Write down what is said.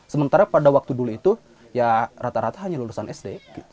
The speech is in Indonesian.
sementara pada waktu dulu itu ya rata rata hanya lulusan sd